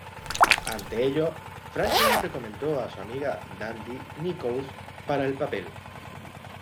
Ante ello, Franklin recomendó a su amiga Dandy Nichols para el papel.